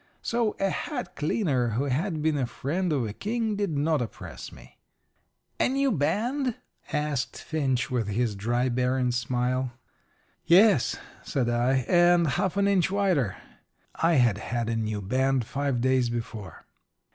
So a hat cleaner who had been a friend of a king did not oppress me. "A new band?" asked Finch, with his dry, barren smile. "Yes," said I, "and half an inch wider." I had had a new band five days before.